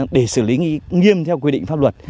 để xử lý nghiêm theo quy định pháp luật